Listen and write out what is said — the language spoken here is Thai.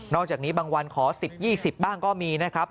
จากนี้บางวันขอ๑๐๒๐บ้างก็มีนะครับ